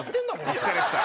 お疲れっした。